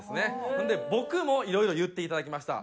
ほんで僕もいろいろ言っていただきました。